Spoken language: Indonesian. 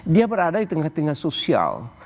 dia berada di tengah tengah sosial